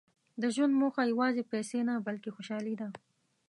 • د ژوند موخه یوازې پیسې نه، بلکې خوشالي ده.